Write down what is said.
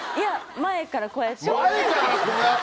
前からこうやって！